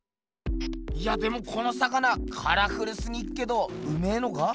いやでもこの魚カラフルすぎっけどうめえのか？